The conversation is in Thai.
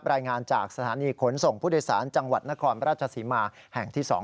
รายงานจากสถานีขนส่งผู้โดยสารจังหวัดนครราชศรีมาแห่งที่๒